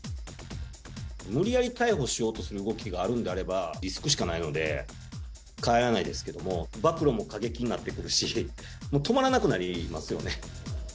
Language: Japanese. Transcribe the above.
無理やり逮捕しようとする動きがあるんであれば、リスクしかないので、帰らないですけども、暴露も過激になってくるし、もう止まらなくなりますよね。